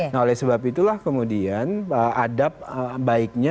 nah oleh sebab itulah kemudian adab baiknya